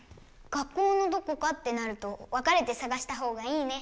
学校のどこかってなると分かれてさがしたほうがいいね。